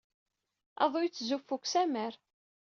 Aḍu yettzuffu-d seg usammar.